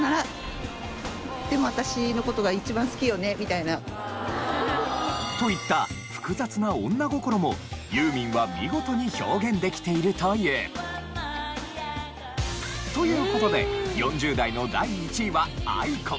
なのでといった複雑な女心もユーミンは見事に表現できているという。という事で４０代の第１位はａｉｋｏ。